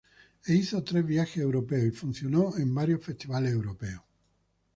E hizo tres viajes europeos y funcionó en varios festivales europeos.